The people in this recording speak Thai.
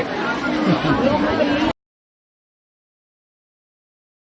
น้องชัดอ่อนชุดแรกก็จะเป็นตัวที่สุดท้าย